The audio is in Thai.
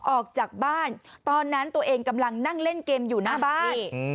ออกจากบ้านตอนนั้นตัวเองกำลังนั่งเล่นเกมอยู่หน้าบ้าน